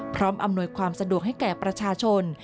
อำนวยความสะดวกให้แก่ประชาชน